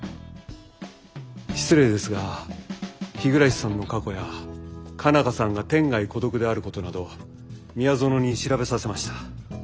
失礼ですが日暮さんの過去や佳奈花さんが天涯孤独であることなど宮園に調べさせました。